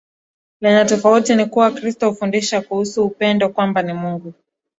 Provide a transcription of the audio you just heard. lenye tofauti ni kuwa Kristo hufundisha kuhusu Upendo kwamba ni Mungu